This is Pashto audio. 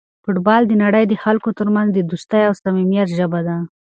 فوټبال د نړۍ د خلکو ترمنځ د دوستۍ او صمیمیت ژبه ده.